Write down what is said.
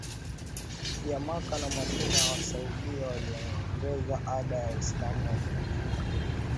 ya Makka na Madina Wasaudia waliongeza ada ya Waislamu waliofika